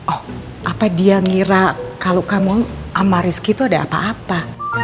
oh apa dia ngira kalau kamu sama rizky itu ada apa apa